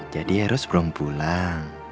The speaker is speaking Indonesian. jadi eros belum pulang